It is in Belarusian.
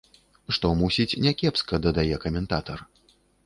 Што, мусіць, някепска, дадае каментатар.